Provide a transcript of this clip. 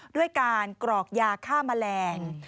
ด้วยการกรอกยาฆ่าแมลง